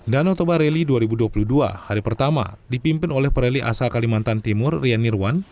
danau toba rally dua ribu dua puluh dua hari pertama dipimpin oleh perali asal kalimantan timur rian nirwan